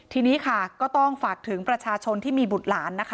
ทีนี้ค่ะก็ต้องฝากถึงประชาชนที่มีบุตรหลานนะคะ